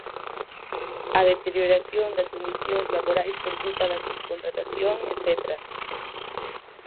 A deterioración das condicións laborais por culpa da subcontratación etcétera.